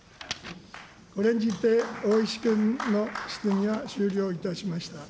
これにて、大石君の質疑は終了いたしました。